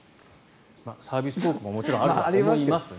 サービストークももちろんあると思いますが。